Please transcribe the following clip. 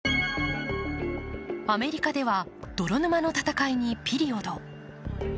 アメリカでは、泥沼の戦いにピリオド。